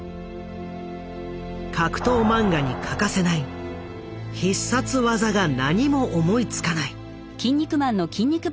格闘漫画に欠かせない必殺技が何も思いつかない。